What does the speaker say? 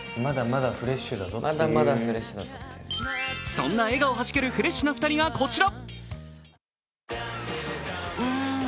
そんな笑顔はじけるフレッシュな２人がこちら。